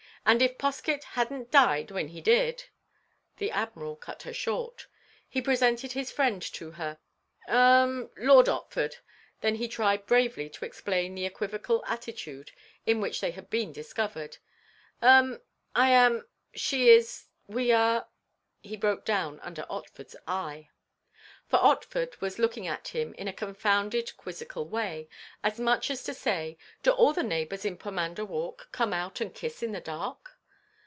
"And if Poskett had n't died when he did—" The Admiral cut her short. He presented his friend to her. "Um—Lord Otford—" then he tried bravely to explain the equivocal attitude in which they had been discovered. "Um—I am—she is—we are—" He broke down under Otford's eye. For Otford was looking at him in a confounded quizzical way, as much as to say "Do all the neighbours in Pomander Walk come out and kiss in the dark?"